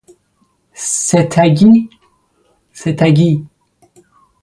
ستگی